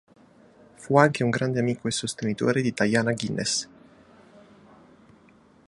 Fu anche un grande amico e sostenitore di Diana Guinness.